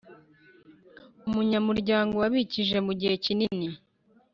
Umunyamuryango wabikije mu gihe kinini.